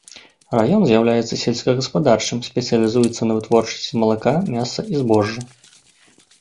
Раён з'яўляецца сельскагаспадарчым, спецыялізуецца на вытворчасці малака, мяса і збожжа.